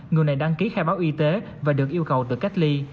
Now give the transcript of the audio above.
người này đăng ký khai báo y tế và được yêu cầu tự cách ly